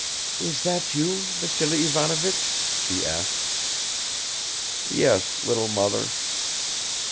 "Is that you, Vassily Ivanovich?" she asked. "Yes, little mother."